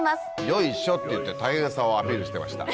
「よいしょ！」って言って大変さをアピールしてました。